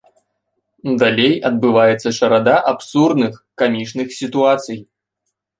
Далей адбываецца чарада абсурдных, камічных сітуацый.